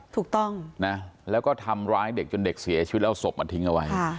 ถูกต้องนะแล้วก็ทำร้ายเด็กจนเด็กเสียชีวิตแล้วเอาศพมาทิ้งเอาไว้